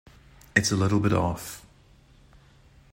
It's a little bit off.